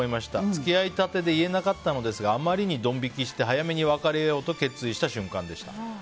付き合いたてで言えなかったのですがあまりにもドン引きして早めに別れようと決意した瞬間でした。